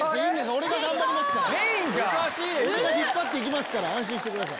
俺が引っ張っていきますから、安心してください。